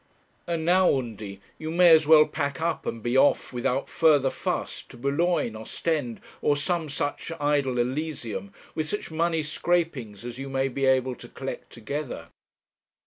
And now, Undy, you may as well pack up, and be off, without further fuss, to Boulogne, Ostend, or some such idle Elysium, with such money scrapings as you may be able to collect together.